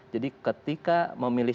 jadi ketika memilih